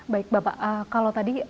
baik bapak kalau tadi